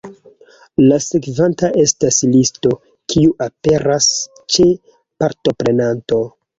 La sekvanta estas listo, kiu aperas ĉe partoprenanto.